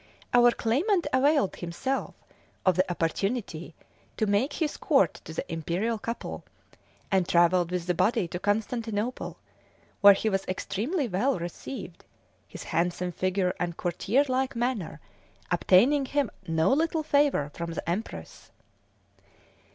Our claimant availed himself of the opportunity to make his court to the imperial couple, and travelled with the body to Constantinople, where he was extremely well received, his handsome figure and courtier like manner obtaining him no little favour from the empress.